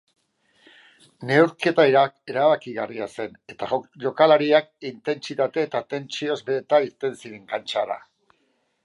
Neurketa erabakigarria zen eta jokalariak intensitate eta tentsioz beteta irten ziren kantxara.